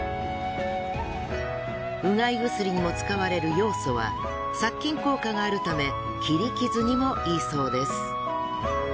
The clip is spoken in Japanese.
うがい薬にも使われるよう素は殺菌効果があるため切り傷にもいいそうです。